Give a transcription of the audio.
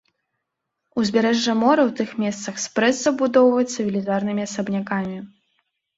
Узбярэжжа мора ў тых месцах спрэс забудоўваецца велізарнымі асабнякамі.